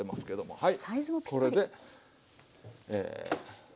はい。